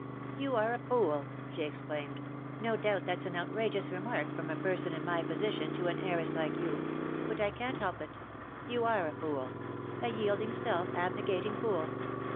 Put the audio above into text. "You are a fool !^^ she exclaimed. "No doubt that''s an outrageous remark from a person in my position to an heiress like you ; but I can''t help it. You are a fool — a yielding, self abnegating fool